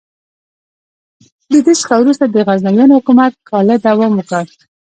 له دې څخه وروسته د غزنویانو حکومت کاله دوام وکړ.